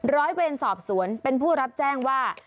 ร้อยเวรสอบสวนเป็นผู้รับแจ้งว่า